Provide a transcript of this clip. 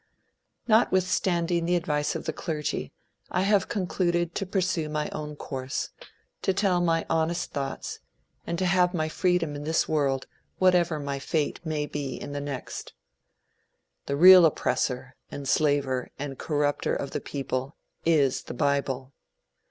Notwithstanding the advice of the clergy, I have concluded to pursue my own course, to tell my honest thoughts, and to have my freedom in this world whatever my fate may be in the next. The real oppressor, enslaver and corrupter of the people is the bible.